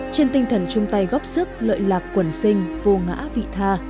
trên tinh thần chung tay góp sức lợi lạc quần sinh vô ngã vị tha